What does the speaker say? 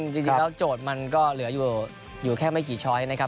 จริงแล้วโจทย์มันก็เหลืออยู่แค่ไม่กี่ช้อยนะครับ